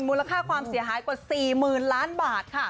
มูลค่าความเสียหายกว่า๔๐๐๐ล้านบาทค่ะ